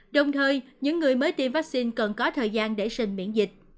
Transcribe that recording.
đồng thời những người mới tiêm vaccine cần có thời gian để sinh miễn dịch